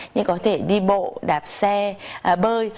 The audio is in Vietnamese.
như có thể đi bộ đạp xe bơi